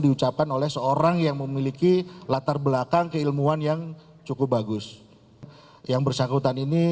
dirt seribu tujuh ratus lima belas berangkat